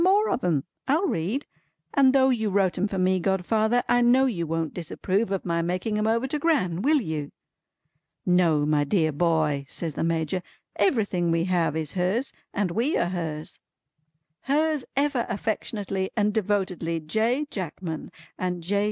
More of 'em! I'll read. And though you wrote 'em for me, godfather, I know you won't disapprove of my making 'em over to Gran; will you?" "No, my dear boy," says the Major. "Everything we have is hers, and we are hers." "Hers ever affectionately and devotedly J. Jackman, and J.